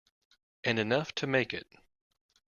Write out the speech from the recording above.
And enough to make it.